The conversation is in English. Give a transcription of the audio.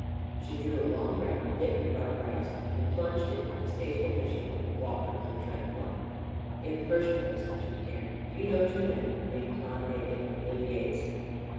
She drew a long breath, knit her dark brows, and plunged into the distasteful mission that had brought her to the Trent farm. "In the first place," she began, "do you know two men named Con Hegan and Billy Gates?"